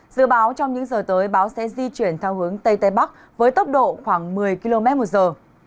dự báo trong những giờ tới báo sẽ di chuyển theo hướng tây tây bắc với tốc độ khoảng một mươi km một giờ